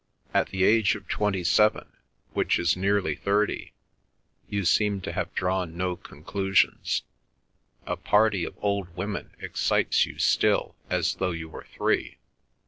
"At the age of twenty seven, which is nearly thirty, you seem to have drawn no conclusions. A party of old women excites you still as though you were three."